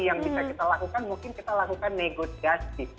yang bisa kita lakukan mungkin kita lakukan negosiasi